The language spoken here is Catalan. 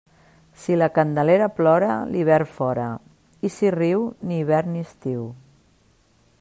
Si la Candelera plora, l'hivern fora; i si riu, ni hivern ni estiu.